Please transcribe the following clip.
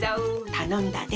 たのんだで。